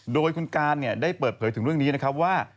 โดยคุณการได้เปิดเผยถึงเรื่องนี้นะครับว่า